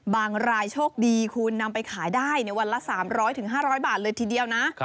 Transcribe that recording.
รายโชคดีคุณนำไปขายได้ในวันละ๓๐๐๕๐๐บาทเลยทีเดียวนะ